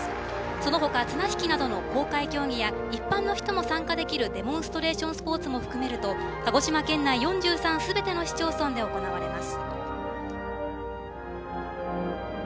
その他、綱引きなどの公開競技や一般の人も参加できるデモンストレーションスポーツも含めると鹿児島県内４３のすべての市町村で行われます。